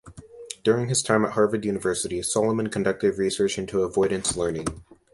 During his time at Harvard University, Solomon conducted research into avoidance learning.